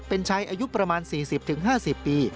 เป็นชายอายุประมาณ๔๐๕๐ปี